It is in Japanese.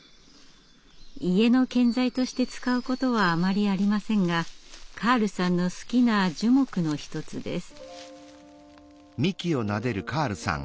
家の建材として使うことはあまりありませんがカールさんの好きな樹木の一つです。